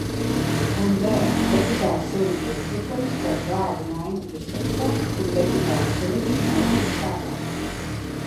Un vēl deputāta Siliņa priekšlikums par vārdu maiņu virsrakstā, kuru deputāts Siliņš neuztur spēkā.